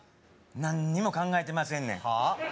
何にも考えてませんねんはあ？